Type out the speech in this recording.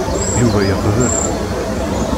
Yuba yeqbel.